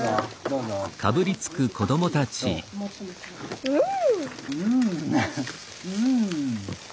うん。